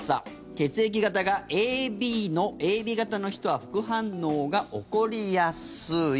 血液型がＡＢ型の人は副反応が起こりやすい。